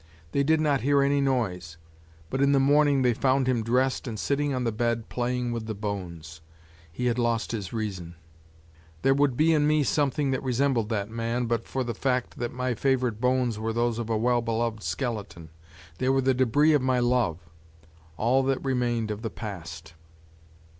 They did not hear any noise, but in the morning they found him dressed and sitting on the bed playing with the bones; he had lost his reason. There would be in me something that resembled that man but for the fact that my favorite bones were those of a well beloved skeleton; they were the debris of my love, all that remained of the past.